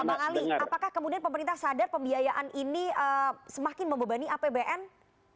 bang ali apakah kemudian pemerintah sadar pembiayaan ini semakin membebani agar tidak terjadi